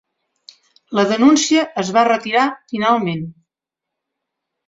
La denúncia es va retirar finalment.